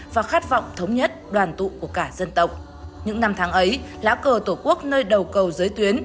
và khát vọng thống nhất đoàn tụ của cả dân tộc những năm tháng ấy lá cờ tổ quốc nơi đầu cầu giới tuyến